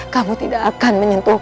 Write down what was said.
kamu tidak akan menyentuhku